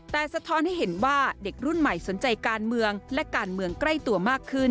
แต่สะท้อนให้เห็นว่าเด็กรุ่นใหม่สนใจการเมืองและการเมืองใกล้ตัวมากขึ้น